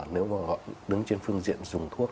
nếu mà đứng trên phương diện dùng thuốc